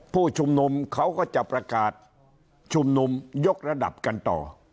ผู้ชุมนุมเขาก็จะประกาศชุมนุมยกระดับกันต่อ